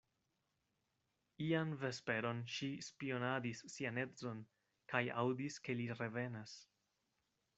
Ian vesperon ŝi spionadis sian edzon, kaj aŭdis, ke li revenas.